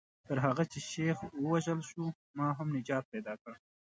تر هغه چې شیخ ووژل شو ما هم نجات پیدا کړ.